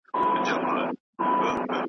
وار په وار پورته كېدله آوازونه .